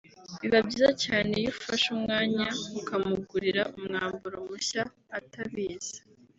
Biba byiza cyane iyo ufashe umwanya ukamugurira umwambaro mushya atabizi